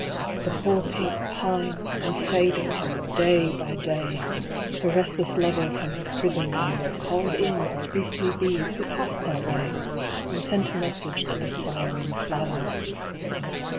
The poor Pink pined and faded day by day: Her restless lover from his prison bower Called in a priestly bee who passed that way, And sent a message to the sorrowing flower.